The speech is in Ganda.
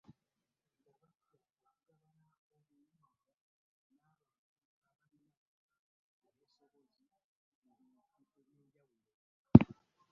Nga batya okugabana obuyinza n'abantu abalina obusobozi mu bintu eby'enjawulo.